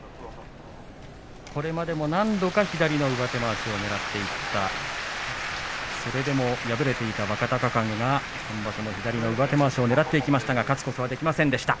これまでも何度か左の上手まわしをねらっていったそれでも敗れていた若隆景が今場所は左の上手まわしをねらっていきましたが勝つことはできませんでした。